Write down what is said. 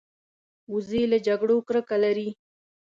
وزې له جګړو کرکه لري